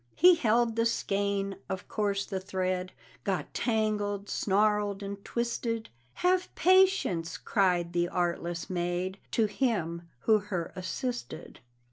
He held the skein; of course the thread Got tangled, snarled and twisted; "Have Patience!" cried the artless maid, To him who her assisted.